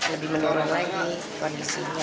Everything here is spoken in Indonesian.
lebih menurun lagi kondisinya